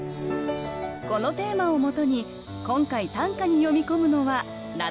このテーマをもとに今回短歌に詠み込むのは「夏の虫」。